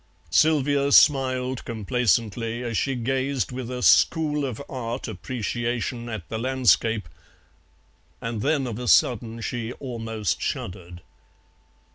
Sylvia smiled complacently as she gazed with a School of Art appreciation at the landscape, and then of a sudden she almost shuddered.